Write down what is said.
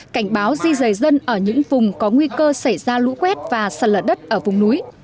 cảnh báo di rời dân ở những vùng có nguy cơ xảy ra lũ quét và sạt lở đất ở vùng núi